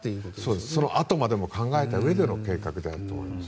そのあとまでも考えた計画だと思います。